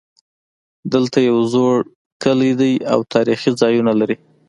دلته یو زوړ کلی ده او تاریخي ځایونه لري